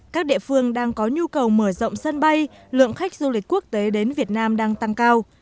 các địa phương đang có nhu cầu mở rộng sân bay lượng khách du lịch quốc tế đến việt nam đang tăng cao